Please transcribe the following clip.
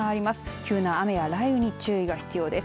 急な雨や雷雨に注意が必要です。